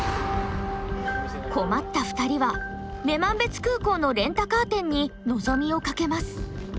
困った２人は女満別空港のレンタカー店に望みをかけます。